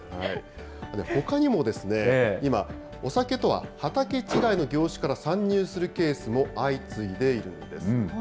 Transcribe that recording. ほかにもですね、今、お酒とは畑違いの業種から参入するケースも相次いでいるんです。